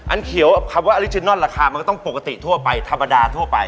เขียวคำว่าอลิจินอนราคามันก็ต้องปกติทั่วไปธรรมดาทั่วไป